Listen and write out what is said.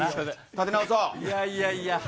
いやいやいや。